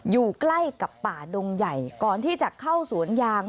อยู่ใกล้กับป่าดงใหญ่ก่อนที่จะเข้าสวนยาง